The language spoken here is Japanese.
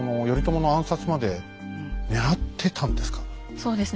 そうですね。